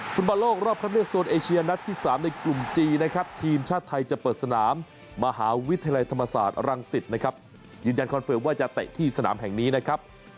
ฟุตบอลโลกรอบคันเลือกโซนเอเชียนัดที่๓ในกลุ่มจีนนะครับทีมชาติไทยจะเปิดสนามมหาวิทยาลัยธรรมศาสตร์รังสิตนะครับยืนยันคอนเฟิร์มว่าจะเตะที่สนามแห่งนี้นะครับ